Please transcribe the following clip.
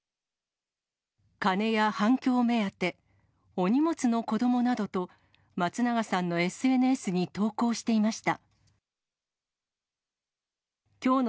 金や反響目当て、お荷物の子どもなどと、松永さんのＳＮＳに投稿していました。